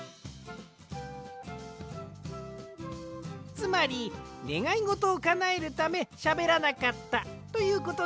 つまりねがいごとをかなえるためしゃべらなかったということですね？